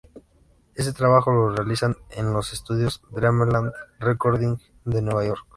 Este trabajo lo realizan en los estudios Dreamland Recording de Nueva York.